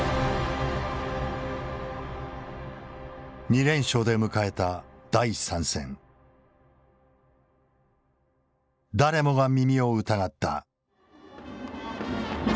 ２連勝で迎えた第３戦誰もが耳を疑った。